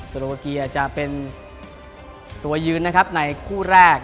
โซโลวาเกียจะเป็นตัวยืนในคู่แรก